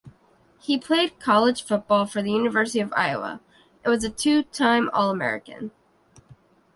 He played college football for the University of Iowa, and was a two-time All-American.